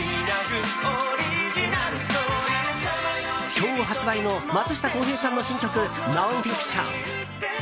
今日発売の松下洸平さんの新曲「ノンフィクション」。